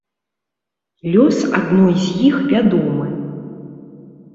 Лёс адной з іх вядомы.